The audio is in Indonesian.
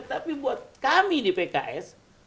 tapi buat kami di pks